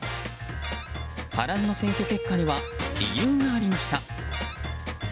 波乱の選挙結果には理由がありました。